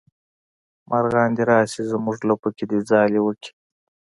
مارغان دې راشي زمونږ لپو کې ځالې وکړي